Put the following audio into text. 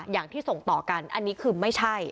อย่างที่ส่งต่อกันอันนี้คือไม่ใช่